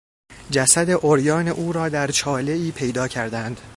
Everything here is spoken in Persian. جسد عریان او را در چالهای پیدا کردند.